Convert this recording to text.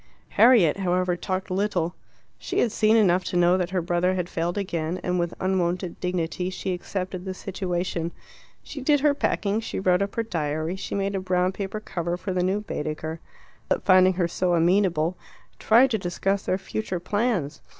Harriet, however, talked little. She had seen enough to know that her brother had failed again, and with unwonted dignity she accepted the situation. She did her packing, she wrote up her diary, she made a brown paper cover for the new Baedeker. Philip, finding her so amenable, tried to discuss their future plans.